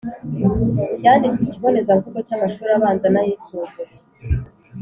yanditse Ikibonezamvugo cy’amashuri abanza n’ayisumbuye.